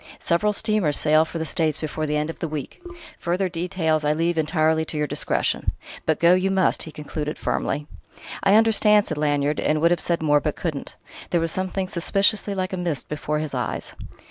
Several steamers sail for the States before the end of the week: further details I leave entirely to your discretion. But go you must," he concluded firmly. "I understand..." said Lanyard; and would have said more, but couldn't. There was something suspiciously like a mist before his eyes.